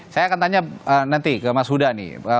saya akan tanya nanti ke mas huda nih